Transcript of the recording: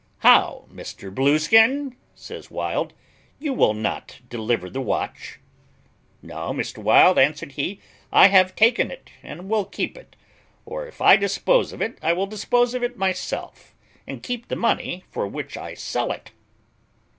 "How, Mr. Blueskin!" says Wild; "you will not deliver the watch?" "No, Mr. Wild," answered he; "I have taken it, and will keep it; or, if I dispose of it, I will dispose of it myself, and keep the money for which I sell it."